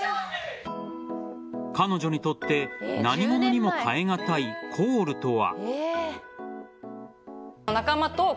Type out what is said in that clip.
彼女にとって何物にも代え難いコールとは。